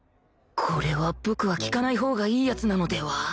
これは僕は聞かないほうがいいやつなのでは？